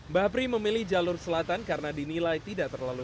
mbah pri memilih jalur selatan karena dinilai tidak terlalu